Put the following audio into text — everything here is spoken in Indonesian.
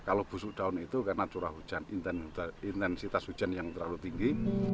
kalau busuk daun itu karena curah hujan intensitas hujan yang terlalu tinggi